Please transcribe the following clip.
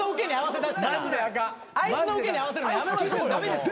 あいつのウケに合わせるのやめましょうよ。